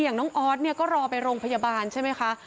อย่างน้องออสเนี่ยก็รอไปโรงพยาบาลใช่ไหมคะ